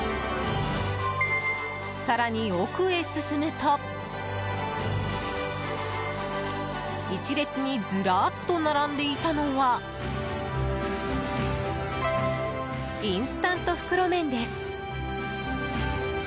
更に、奥へ進むと１列にずらっと並んでいたのはインスタント袋麺です。